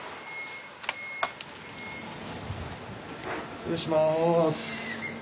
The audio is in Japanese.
失礼します。